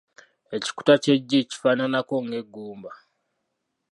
Ekikuta ky’eggi kifaananako ng’eggumba.